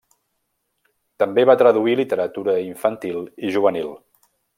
També va traduir literatura infantil i juvenil.